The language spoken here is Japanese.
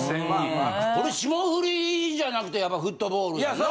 これ霜降りじゃなくてやっぱフットボールやんな？